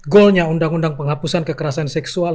goalnya undang undang penghapusan kekerasan seksual